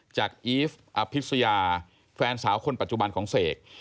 อีฟอภิษยาแฟนสาวคนปัจจุบันของเสก